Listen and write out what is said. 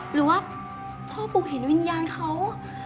หรือว่าพ่อปู่เห็นวิญญาณเขา